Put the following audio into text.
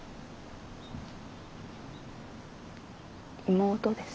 妹です。